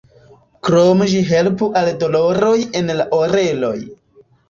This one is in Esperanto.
Krome ĝi helpu al doloroj en la oreloj.